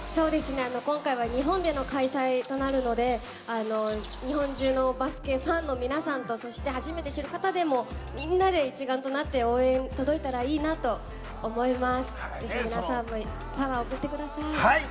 今回は日本での開催となるので、日本中のバスケファンの皆さんと、そして初めて知る方でもみんなで一丸となって応援が届いたらいいなと思います。